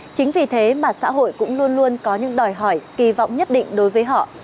chính vì thế mà xã hội cũng luôn luôn có những đòi hỏi kỳ vọng nhất định đối với họ